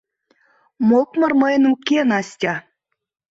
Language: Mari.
Мокмыр мыйын уке, Настя.